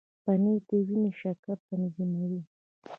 پنېر د وینې شکر تنظیموي.